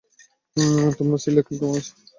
তোমার ছেলে এখন কেমন আছে?